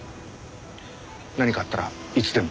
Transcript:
何かあったらいつでも。